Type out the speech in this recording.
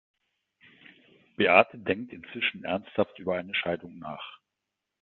Beate denkt inzwischen ernsthaft über eine Scheidung nach.